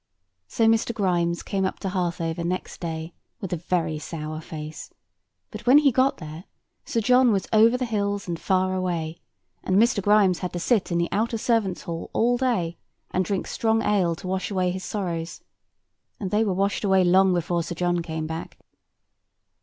So Mr. Grimes came up to Harthover next day with a very sour face; but when he got there, Sir John was over the hills and far away; and Mr. Grimes had to sit in the outer servants' hall all day, and drink strong ale to wash away his sorrows; and they were washed away long before Sir John came back.